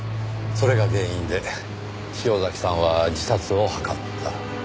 それが原因で潮崎さんは自殺を図った。